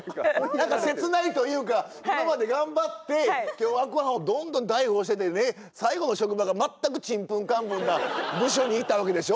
何か切ないというか今まで頑張って凶悪犯をどんどん逮捕しててね最後の職場が全くチンプンカンプンな部署に行ったわけでしょ。